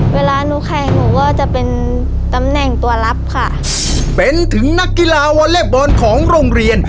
เวลาหนูแข่งหนูก็จะเป็นตำแหน่งตัวลับค่ะเป็นถึงนักกีฬาวอเล็บบอลของโรงเรียน